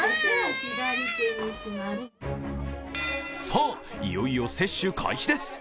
さあ、いよいよ接種開始です。